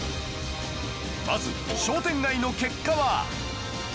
まず商店街の結果は？